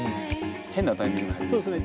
変なタイミングで入る。